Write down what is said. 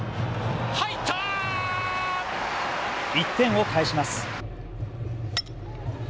１点を返します。